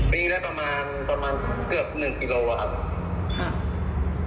วิ่งได้ประมาณเกือบ๑กิโลครับ